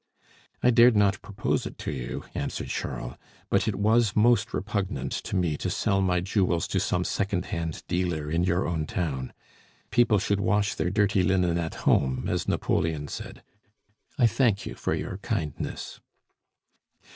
"I dared not propose it to you," answered Charles; "but it was most repugnant to me to sell my jewels to some second hand dealer in your own town. People should wash their dirty linen at home, as Napoleon said. I thank you for your kindness."